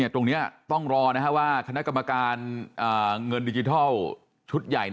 ตรงนี้ต้องรอว่าคณะกรรมการเงินดิจิทัลชุดใหญ่